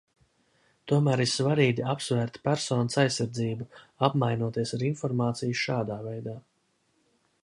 Tomēr ir svarīgi apsvērt personas aizsardzību, apmainoties ar informāciju šādā veidā.